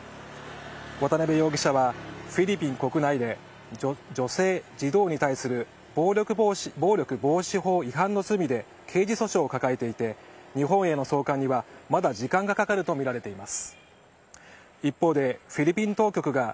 渡辺容疑者はフィリピン国内で女性・児童に対する暴力防止法違反の罪で刑事訴訟を抱えていて日本への送還にはまだ時間がかかるとみられています。